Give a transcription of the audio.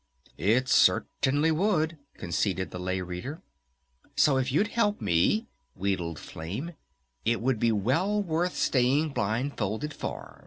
"It certainly would," conceded the Lay Reader. "So if you'd help me " wheedled Flame, "it would be well worth staying blindfolded for....